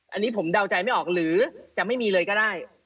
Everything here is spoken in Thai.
อันนี้ผมเดาใจไม่ออกหรือจะไม่มีเลยก็ได้